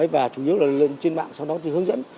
và chủ yếu là trên mạng sau đó thì hướng dẫn